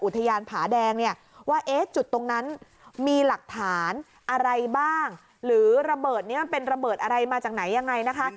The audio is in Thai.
ผาแดงเนี่ยว่าเอ๊ะจุดตรงนั้นมีหลักฐานอะไรบ้างหรือระเบิดนี้มันเป็นระเบิดอะไรมาจากไหนยังไงนะคะ